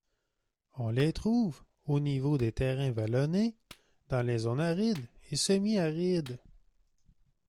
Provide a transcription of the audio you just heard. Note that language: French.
On les trouve au niveau des terrains vallonnés dans les zones arides et semi-arides.